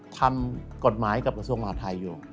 ทำกฎหมายกับกระทรวงมหาทัยอยู่